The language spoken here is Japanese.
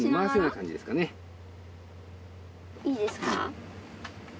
いいですか？